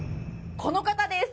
この方です！